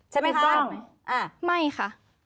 ใช่ไหมคะไม่ค่ะ